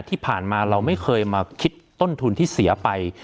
ที่ผ่านมาเราไม่เคยมาคิดต้นทุนที่เสียไป